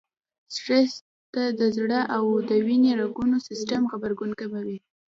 سټرس ته د زړه او وينې رګونو سيستم غبرګون کموي.